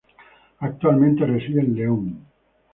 Actualmente, reside en León.